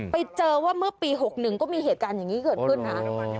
ไปเจอว่าเมื่อปี๖๑ก็มีเหตุการณ์อย่างนี้เกิดขึ้นนะ